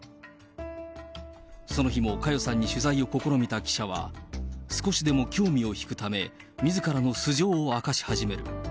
その日も佳代さんに取材を試みた記者は、少しでも興味を引くため、みずからの素性を明かし始める。